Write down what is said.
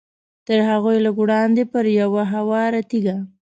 تر هغوی لږ وړاندې پر یوه هواره تیږه.